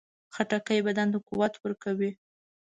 خټکی بدن ته قوت ورکوي.